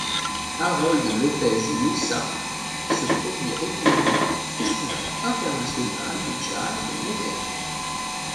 Harold Lopez Nussa se produit régulièrement au Festival international de jazz de Montréal.